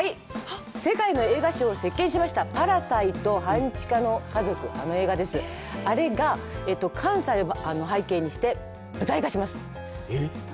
世界の映画賞を席巻した「パラサイト半地下の家族」が関西を背景にして舞台化します。